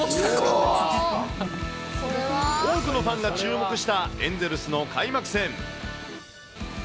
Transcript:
多くのファンが注目したエンゼルスの開幕戦。